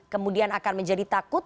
kemudian akan menjadi takut